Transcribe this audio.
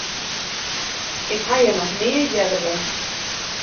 Ik ha hjir noch nea earder west.